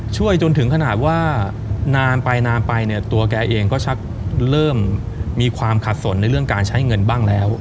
จนถึงขนาดว่านานไปนานไปเนี่ยตัวแกเองก็ชักเริ่มมีความขัดสนในเรื่องการใช้เงินบ้างแล้ว